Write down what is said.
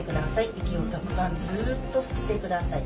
息をたくさんずっと吸ってください。